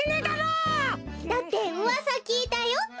だってうわさきいたよ。